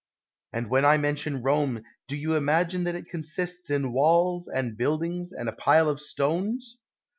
And when I mention Rome, do you imagine that it consists in walls, and buildings, and a pile of stones?